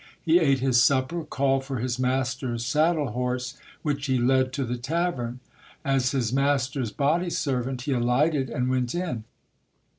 He ate his supper, called for his master's saddle horse, which he led to the tavern. As his master's body servant, he alighted and went in.